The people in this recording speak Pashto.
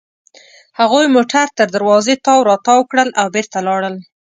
هغوی موټر تر دروازې تاو راتاو کړل او بېرته لاړل.